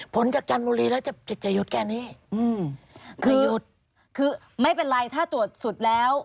ผลจากจันทร์บุรีแล้วจะอยุดแค่นี้คือไม่เป็นไรถ้าตรวจสุดแล้ว